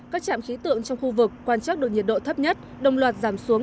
các trạm khí tượng trong khu vực quan trắc được nhiệt độ thấp nhất đồng loạt giảm xuống